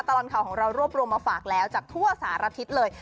ตลอดข่าวของเรารวบรวมมาฝากแล้วจากทั่วสารทิศเลย